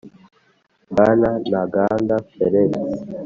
Bwana ntaganda felix